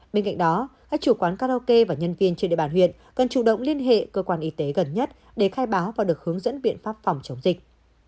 bên cạnh đó các chủ quán karaoke và nhân viên trên địa bàn huyện cần chủ động liên hệ cơ quan y tế gần nhất để khai báo và được hướng dẫn biện pháp phòng chống dịch